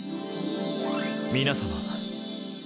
皆様